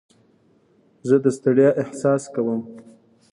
زه د ستړیا احساس کوم.